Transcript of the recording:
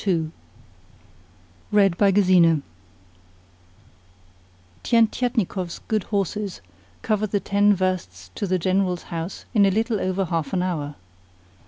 CHAPTER II Tientietnikov's good horses covered the ten versts to the General's house in a little over half an hour.